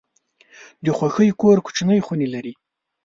د خوښۍ کور کوچني خونې لري.